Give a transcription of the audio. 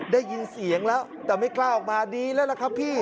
ได้ยินเสียงแล้วแต่ไม่กล้าออกมาดีแล้วล่ะครับพี่